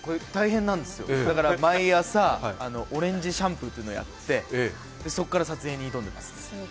大変なんですよ、毎朝、オレンジシャンプーってのやってそこから撮影に挑んでます。